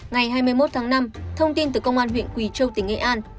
ngày hai mươi một tháng năm thông tin từ công an huyện quỳ châu tỉnh nghệ an